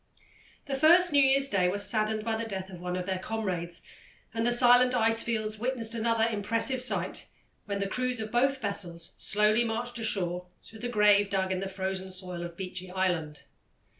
The first New Year's Day was saddened by the death of one of their comrades, and the silent ice fields witnessed another impressive sight when the crews of both vessels slowly marched ashore to the grave dug in the frozen soil of Beechy Island.